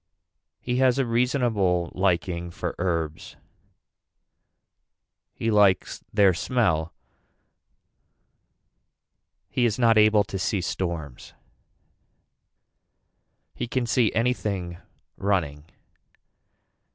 He has a reasonable liking for herbs. He likes their smell. He is not able to see storms. He can see anything running.